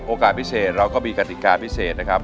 โอกาสพิเศษเราก็มีกติกาพิเศษนะครับ